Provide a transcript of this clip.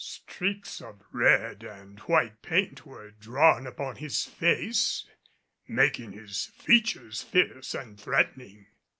Streaks of red and white paint were drawn upon his face, making his features fierce and threatening.